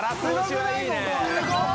すごい！